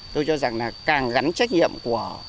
tôi cho rằng là càng gắn trách nhiệm của